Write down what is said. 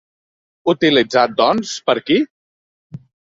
Utilitzat, doncs, per qui?